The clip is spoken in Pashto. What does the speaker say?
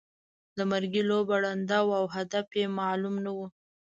د مرګي لوبه ړنده وه او هدف یې معلوم نه وو.